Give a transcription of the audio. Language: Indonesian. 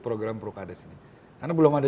program prukades ini karena belum ada